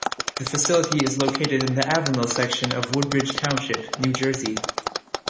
The facility is located in the Avenel section of Woodbridge Township, New Jersey.